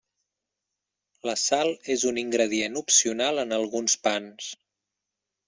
La sal és un ingredient opcional en alguns pans.